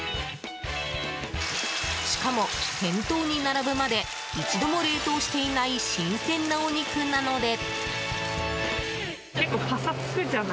しかも店頭に並ぶまで一度も冷凍していない新鮮なお肉なので。